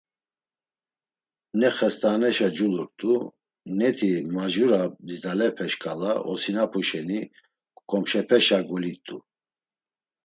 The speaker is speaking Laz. Ne xast̆aaneşa culurt̆u, neti majura didalepe şǩala osinapu şeni ǩomşepeşa golit̆u.